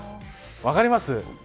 分かりますか。